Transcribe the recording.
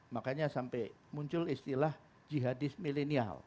makanya sampai muncul istilah jihadis milenial